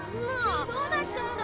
・地球どうなっちゃうの？